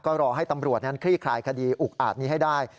ก็รอให้ตำรวจนั้นคลี่คลายคดีอุกอาจนี้ให้ได้